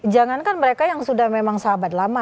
jangankan mereka yang sudah memang sahabat lama